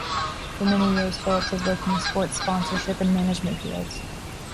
For many years Phillips has worked in the sports sponsorship and management fields.